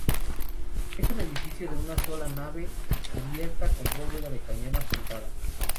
Es un edificio de una sola nave cubierta con bóveda de cañón apuntada.